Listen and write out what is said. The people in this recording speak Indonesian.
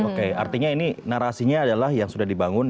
oke artinya ini narasinya adalah yang sudah dibangun